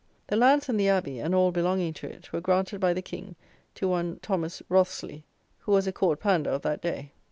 The lands and the abbey, and all belonging to it, were granted by the king, to one Thomas Wriothesley, who was a court pander of that day.